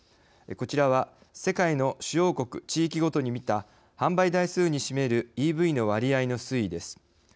こちらは世界の主要国・地域ごとにみた販売台数に占めるＥＶの割合の推移です。